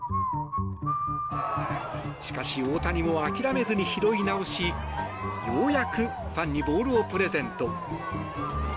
しかし、大谷も諦めずに拾い直しようやく、ファンにボールをプレゼント。